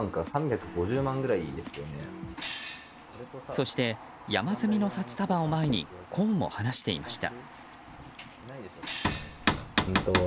そして、山積みの札束を前にこうも話していました。